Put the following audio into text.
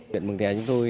huyện mừng thẻ chúng tôi